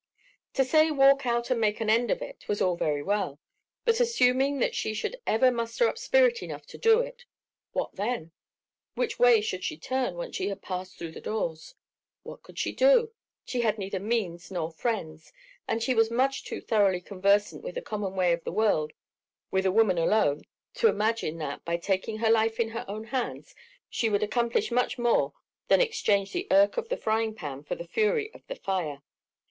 To say "walk out and make an end of it" was all very well; but assuming that she ever should muster up spirit enough to do it—what then? Which way should she turn, once she had passed out through the doors? What could she do? She had neither means nor friends, and she was much too thoroughly conversant with the common way of the world with a woman alone to imagine that, by taking her life in her own hands, she would accomplish much more than exchange the irk of the frying pan for the fury of the fire.